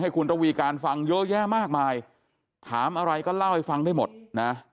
คุณระวีการฟังเยอะแยะมากมายถามอะไรก็เล่าให้ฟังได้หมดนะ